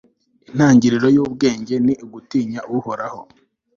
intangiriro y'ubwenge ni ugutinya uhoraho